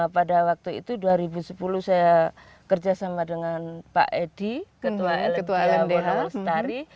pada waktu itu dua ribu sepuluh saya kerja sama dengan pak edi ketua lm lestari